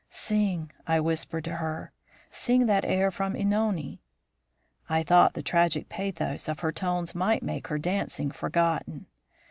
'Sing,' I whispered to her; 'sing that air from Ænone'. I thought the tragic pathos of her tones might make her dancing forgotten.